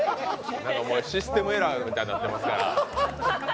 システムエラーみたいになってますから。